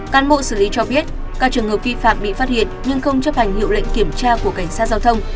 cán bộ xử lý cho biết các trường hợp vi phạm bị phát hiện nhưng không chấp hành hiệu lệnh kiểm tra của cảnh sát giao thông